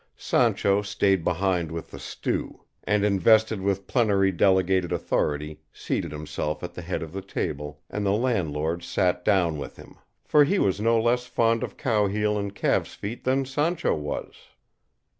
Sancho stayed behind with the stew. and invested with plenary delegated authority seated himself at the head of the table, and the landlord sat down with him, for he was no less fond of cow heel and calves' feet than Sancho was.